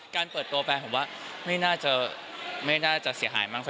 การเปิดตัวแฟนผมว่าไม่น่าจะเสียหายมาก